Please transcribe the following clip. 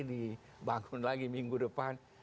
dibangun lagi minggu depan